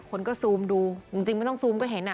คนก็ซูมดูจริงไม่ต้องซูมก็เห็นอ่ะ